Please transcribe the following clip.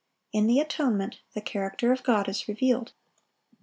In the atonement the character of God is revealed.